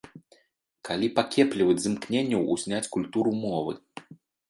Калі пакепліваць з імкненняў узняць культуру мовы.